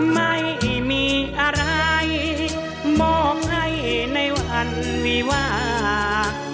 ไม่มีอะไรมองให้ในวันวิวา